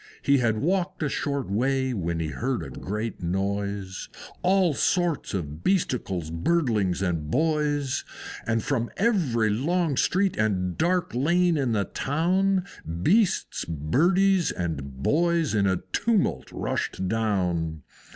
He had walked a short way, when he heard a great noise, Of all sorts of Beasticles, Birdlings, and Boys; And from every long street and dark lane in the town Beasts, Birdies, and Boys in a tumult rushed down.